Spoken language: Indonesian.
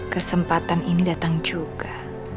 kesempatan ini datang juga